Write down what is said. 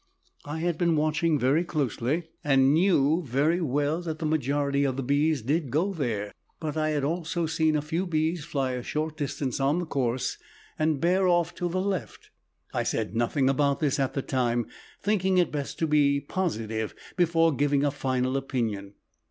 I had been watching very close and knew very well that the majority of the bees did go there, but I had also seen a few bees fly a short distance on the course and bear off to the left. I said nothing about this at the time, thinking it best to be positive before giving a final opinion.